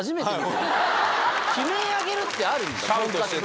悲鳴上げるってあるんだ。